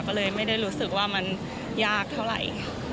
ก็เลยไม่ได้รู้สึกว่ามันยากเท่าไหร่